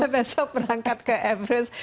besok berangkat ke everest